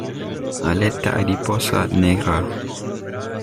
Aleta adiposa negra.